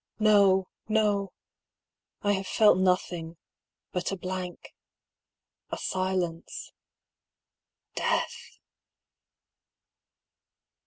N"o ! no ! I have felt nothing — but a blank — a silence — death